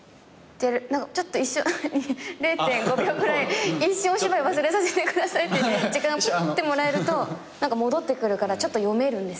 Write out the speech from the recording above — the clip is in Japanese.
ちょっと一瞬０．５秒くらい一瞬お芝居忘れさせてくださいって時間をぽってもらえると戻ってくるからちょっと読めるんですよね